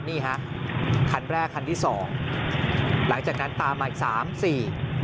นี่ครับคันแรกคันที่๒หลังจากนั้นตามไว้๓๔